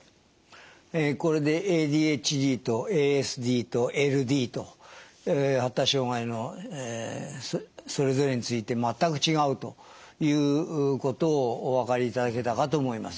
ＡＤＨＤとＡＳＤとＬＤと発達障害のそれぞれについて全く違うということをお分かりいただけたかと思います。